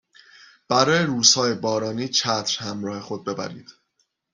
برای روزهای بارانی چتر همراه خود ببرید